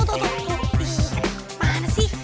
ih mana sih